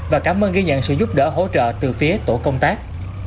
và cảm ơn ghi nhận sự giúp đỡ hỗ trợ từ phía tổ công tác